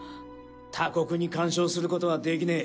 他国に干渉することはできねえ。